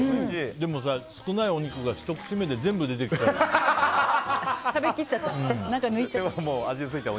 でも、少ないお肉がひと口目で全部出てきちゃった。